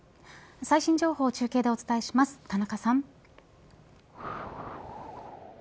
最新情報を中継でお伝えします田中さん。